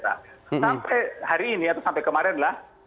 sampai hari ini atau sampai kemarin lah